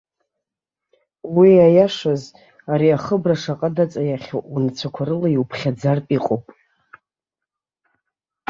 Уи, аиашаз, ари ахыбра шаҟа даҵаиахьоу унацәақәа рыла иуԥхьаӡартә иҟоуп.